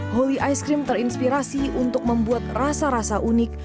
holi ice cream terinspirasi untuk membuat rasa rasa unik